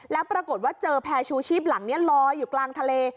แล้วปรากฏว่าเจอแพร่ชูชีพหลังนี้ลอยอยู่กลางทะเล